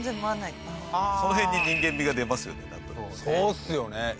そうっすよね。